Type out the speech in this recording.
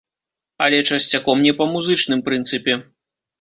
Але часцяком не па музычным прынцыпе.